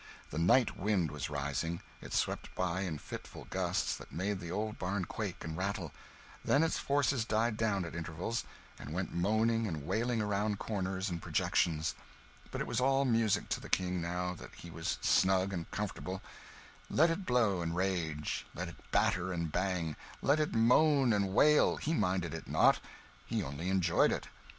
The night wind was rising; it swept by in fitful gusts that made the old barn quake and rattle, then its forces died down at intervals, and went moaning and wailing around corners and projections but it was all music to the King, now that he was snug and comfortable: let it blow and rage, let it batter and bang, let it moan and wail, he minded it not, he only enjoyed it.